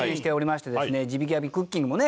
地引き網クッキングもね